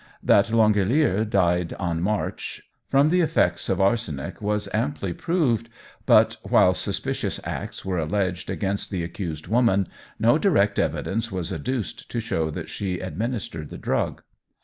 That L'Angelier died on March 23 from the effects of arsenic was amply proved, but while suspicious acts were alleged against the accused woman, no direct evidence was adduced to show that she administered the drug.